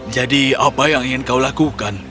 jadi apa yang ingin kau lakukan